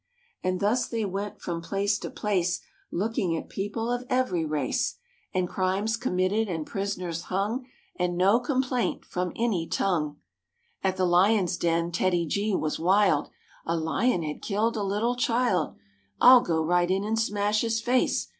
And thus they went from place to place Looking at people of every race And crimes committed and prisoners hung And no complaint from any tongue. At the lions' den TEDDY G was wild; A lion had killed a little child: " I'll go right in and smash his face."